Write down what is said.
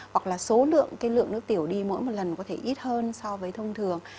hoặc là số lượng cái lượng nước tiểu đi mỗi một lần có thể ít hơn so với thông thường